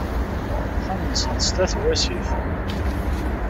Axxam-nsent sdat n wasif.